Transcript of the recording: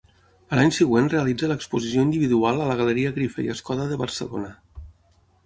A l'any següent realitza l'exposició individual a la Galeria Grifé i Escoda de Barcelona.